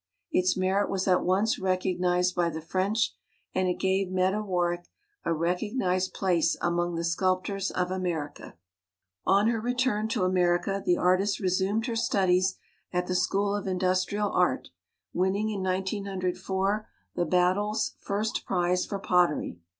Its merit was at once rec ognized by the French, and it gave Meta Warrick a recognized place among the sculptors of America. On her return to America the artist re sumed her studies at the School of Indus trial Art, winning in 1904 the Battles first prize for pottery.